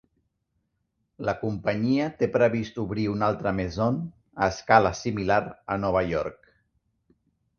La companyia té previst obrir una altra "Maison", a escala similar, a Nova York.